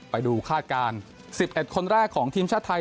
ไปดูคาดการณ์๑๑คนแรกของทีมชาติไทย